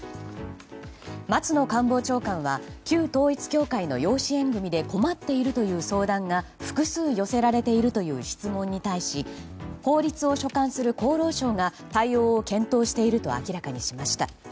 松野官房長官は旧統一教会の養子縁組で困っているという相談が複数寄せられているという質問に対し法律を所管する厚労省が対応を検討していると明らかにしました。